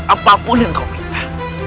apapun yang kau minta